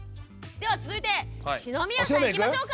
では続いて篠宮さんいきましょうか。